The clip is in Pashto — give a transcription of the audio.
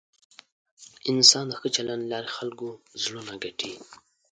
انسان د ښه چلند له لارې د خلکو زړونه ګټي.